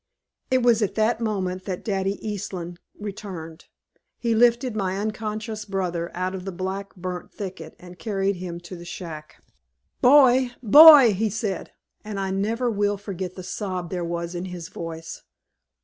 "It was at that moment that Daddy Eastland returned. He lifted my unconscious brother out of the black, burnt thicket and carried him to the shack. "'Boy! Boy!' he said, and I never will forget the sob there was in his voice.